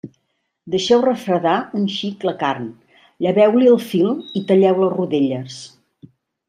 Deixeu refredar un xic la carn, lleveu-li el fil i talleu-la a rodelles.